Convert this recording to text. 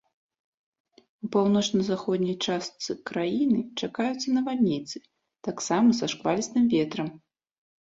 У паўночна-заходняй частцы краіны чакаюцца навальніцы, таксама са шквалістым ветрам.